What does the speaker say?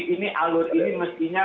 ini alur ini mestinya